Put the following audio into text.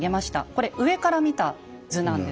これ上から見た図なんです。